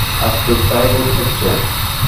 আজ তো তাই বোধ হচ্ছে।